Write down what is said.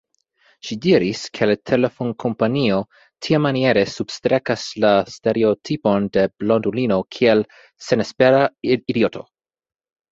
Ŝi diris, ke la telefonkompanio tiamaniere substrekas la stereotipon de blondulino kiel senespera idioto.